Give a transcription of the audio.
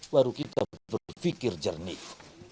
baru kita berpikir jernih